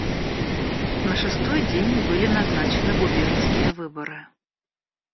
На шестой день были назначены губернские выборы.